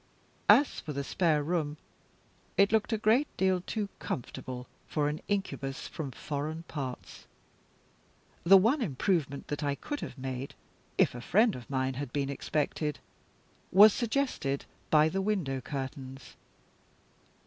As for the spare room, it looked a great deal too comfortable for an incubus from foreign parts. The one improvement that I could have made, if a friend of mine had been expected, was suggested by the window curtains.